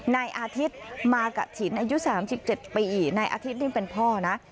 นายอาทิตย์มากะถิ่นอายุ๓๗ปีนายอาทิตย์นี่เป็นพ่อนะ